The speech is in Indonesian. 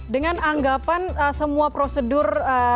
dengan anggapan semua prosedur